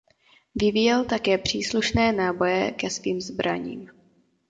Vyvíjel také příslušné náboje ke svým zbraním.